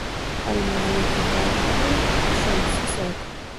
الماري کې بعضي خلک شمعې ساتي